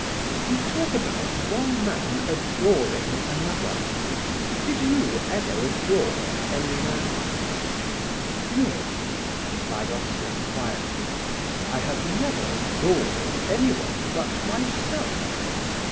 "You talk about one man adoring another. Did you ever adore any man?" "No," replied Oscar quietly, "I have never adored anyone but myself."